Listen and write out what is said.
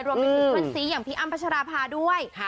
รวมเป็นศูนย์ขวัญสีอย่างพี่อัมพัชราภาด้วย